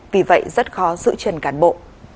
vì vậy rất khó giữ chân cán bộ